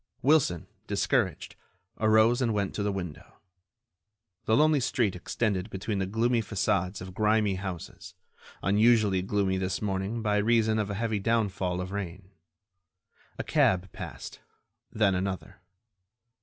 Wilson, discouraged, arose and went to the window. The lonely street extended between the gloomy façades of grimy houses, unusually gloomy this morning by reason of a heavy downfall of rain. A cab passed; then another.